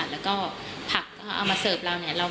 แล้วก็ผักเอามาเสิร์ฟเรา